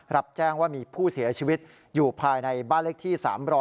รับแจ้งว่ามีผู้เสียชีวิตอยู่ภายในบ้านเลขที่๓๐๐